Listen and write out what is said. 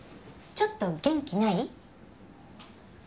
ちょっと元気ない？